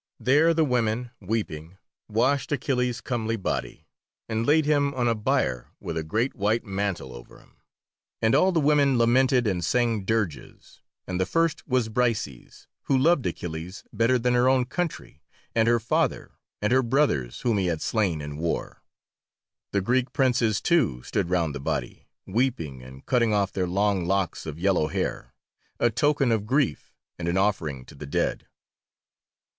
There the women, weeping, washed Achilles' comely body, and laid him on a bier with a great white mantle over him, and all the women lamented and sang dirges, and the first was Briseis, who loved Achilles better than her own country, and her father, and her brothers whom he had slain in war. The Greek princes, too, stood round the body, weeping and cutting off their long locks of yellow hair, a token of grief and an offering to the dead.